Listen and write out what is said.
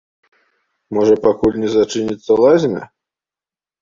Можа, пакуль не зачыніцца лазня?